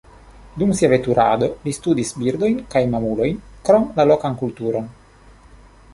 Dum sia veturado li studis birdojn kaj mamulojn krom la lokan kulturon.